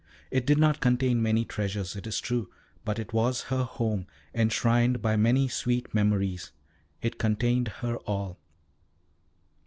It did not contain many treasures, it is true, but it was her home, enshrined by many sweet memories. It contained her all.